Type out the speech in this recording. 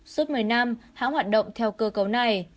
suốt một mươi năm hãng hoạt động theo cơ cấu này